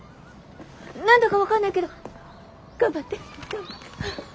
何だか分かんないけど頑張って。